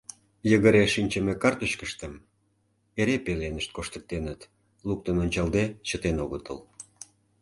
Йыгыре шинчыме карточкыштым эре пеленышт коштыктеныт, луктын ончалде чытен огытыл.